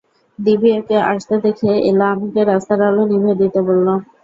দিবিয়াকে আসতে দেখে এলা আমাকে রাস্তার আলো নিভিয়ে দিতে বলল।